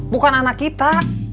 bukan anak kita